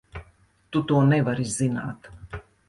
Tu to nevari zināt!